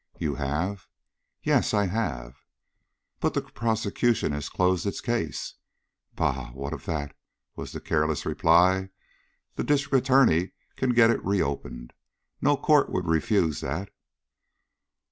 "You have?" "Yes, I have." "But the prosecution has closed its case?" "Bah! what of that?" was the careless reply. "The District Attorney can get it reopened. No Court would refuse that."